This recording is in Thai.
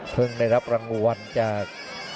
เพิ่งได้รับรังวัลจาก